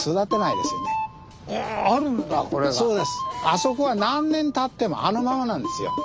あそこは何年たってもあのままなんですよ。